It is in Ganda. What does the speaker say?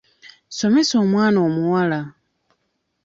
Somesa omwana omuwala.